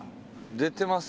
出てます。